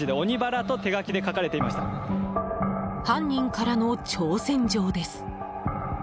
犯人からの挑戦状です。